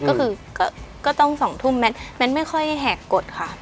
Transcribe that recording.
ก็คือก็ต้องสองทุ่มแม่นแม่นไม่ค่อยแหกกดค่ะ